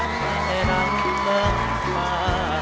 ไม่จะนำเลิกมา